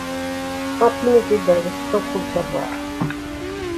Fantine était belle, sans trop le savoir.